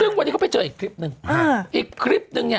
ซึ่งเมื่อกี้เขาไปเจออีกคลิปนึง